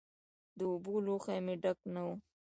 د اوبو لوښی مې ډک نه و.